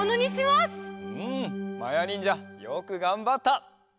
まやにんじゃよくがんばった！